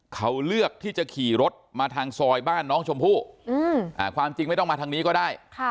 เขาเลือกที่จะขี่รถมาทางซอยบ้านน้องชมพู่ความจริงไม่ต้องมาทางนี้ก็ได้